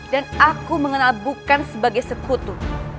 dan aku mengenal bukan sebagai sekutu